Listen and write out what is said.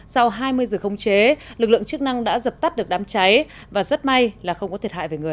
sau hai mươi giờ không chế lực lượng chức năng đã dập tắt được đám cháy và rất may là không có thiệt hại về người